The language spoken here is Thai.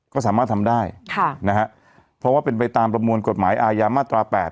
ก็สามารถทำได้ค่ะนะฮะเพราะว่าเป็นไปตามประมวลกฎหมายอาญามาตรา๘